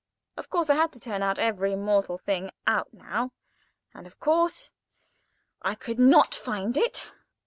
[Picture: Boot] Of course I had to turn every mortal thing out now, and, of course, I could not find it.